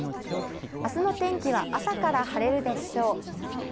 明日の天気は朝から晴れるでしょう。